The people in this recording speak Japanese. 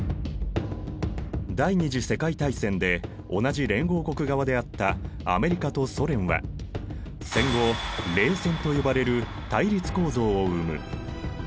第二次世界大戦で同じ連合国側であったアメリカとソ連は戦後冷戦と呼ばれる対立構造を生む。